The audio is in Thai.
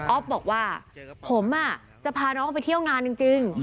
บอกว่าผมจะพาน้องเขาไปเที่ยวงานจริง